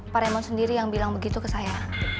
pak remo sendiri yang bilang begitu ke saya